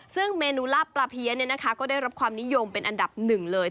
ซึ่งเมนูลาบปลาเพี้ยนก็ได้รับความนิยมเป็นอันดับหนึ่งเลย